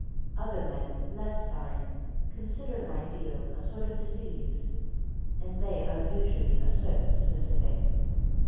Other men, less fine, consider an ideal a sort of disease and they are usually a certain specific.